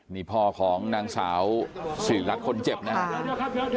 นี่พ่อของนางสาวสิริรัตน์คนเจ็บนะครับ